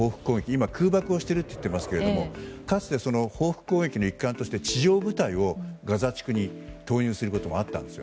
今、空爆をしていると言ってますけれどもかつて、報復攻撃の一環として地上部隊をガザ地区に投入することもあったんです。